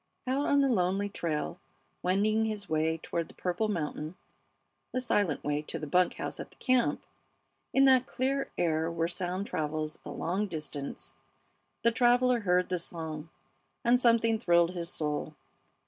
Out on the lonely trail wending his way toward the purple mountain the silent way to the bunk house at the camp in that clear air where sound travels a long distance the traveler heard the song, and something thrilled his soul.